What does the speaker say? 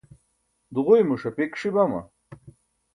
duġuymo ṣapik ṣi bama?